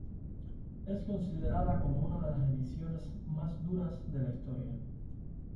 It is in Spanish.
Es considerada como una de las ediciones más duras de la historia.